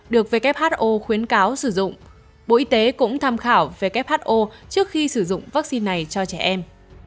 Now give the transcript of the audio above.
được who khuyến cáo sử dụng bộ y tế cũng tham khảo who trước khi sử dụng vaccine này cho trẻ em